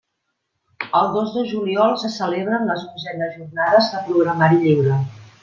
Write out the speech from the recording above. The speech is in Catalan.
El dos de juliol se celebren les onzenes Jornades de Programari Lliure.